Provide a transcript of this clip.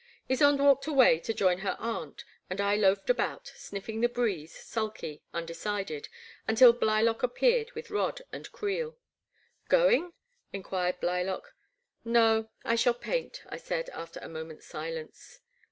Ysonde walked away to join her aunt and I loafed about, sniffing the breeze, sulky, undecided, until Blylock appeared with rod and creel. Going ?" enquired Blylock. No, I shall paint,*' I said, after a moment's silence.